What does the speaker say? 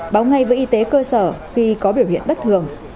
báo ngay với y tế cơ sở khi có biểu hiện bất thường